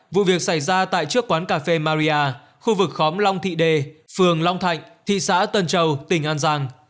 vụ việc xảy ra tại trước quán cà phê maria khu vực khóm long thị đề phường long thạnh thị xã tân châu tỉnh an giang